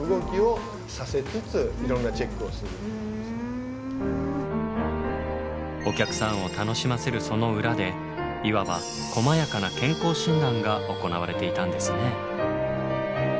彼らのお客さんを楽しませるその裏でいわばこまやかな健康診断が行われていたんですね。